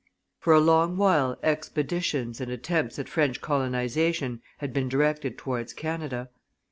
For a long while expeditious and attempts at French colonization had been directed towards Canada.